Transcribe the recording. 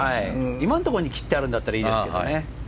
今のところに切ってあるならいいですけどね。